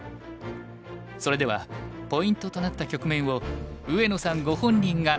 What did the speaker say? それではポイントとなった局面を上野さんご本人が解説します。